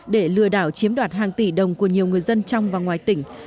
để lừa đảo chiếm đoạt hàng tỷ đồng của nhiều người dân trong và ngoài tỉnh